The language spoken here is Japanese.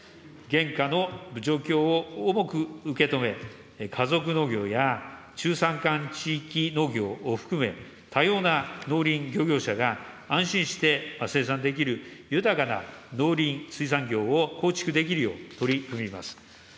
現下の状況を重く受け止め、家族農業や中山間地域農業を含め、多様な農林漁業者が安心して生産できる豊かな農林水産業を構築できるよう、取り組みます。